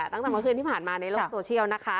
ตั้งเคยที่ผ่านมาในโลกโซเชียลนะคะ